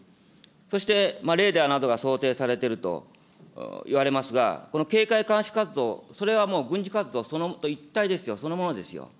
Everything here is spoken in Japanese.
そしてレーダーなどが想定されていると言われますが、この警戒監視活動、それはもう軍事活動と一体ですよ、そのものですよ。